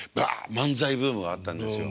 漫才ブームがあったんですよ。